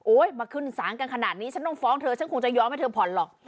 มาขึ้นศาลกันขนาดนี้ฉันต้องฟ้องเธอฉันคงจะยอมให้เธอผ่อนหรอก